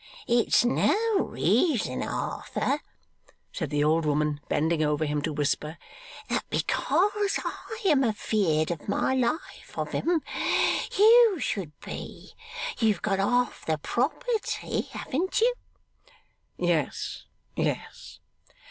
'It's no reason, Arthur,' said the old woman, bending over him to whisper, 'that because I am afeared of my life of 'em, you should be. You've got half the property, haven't you?' 'Yes, yes.